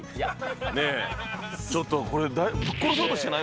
ねぇ、ちょっと、これ、ぶっ殺そうとしてない？